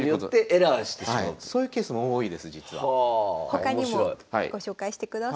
他にもご紹介してください。